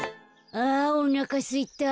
あおなかすいた。